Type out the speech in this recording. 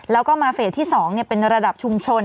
แล้วก็มาเฟสที่๒เป็นระดับชุมชน